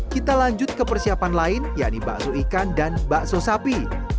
kita lanjut ke persiapan lain yakni bakso ikan dan bakso sapi